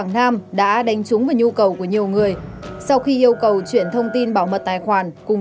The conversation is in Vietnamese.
thế nên nhiều người mới dễ bị lừa